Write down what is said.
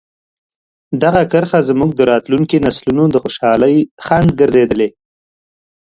دغه کرښه زموږ د راتلونکي نسلونو د خوشحالۍ خنډ ګرځېدلې.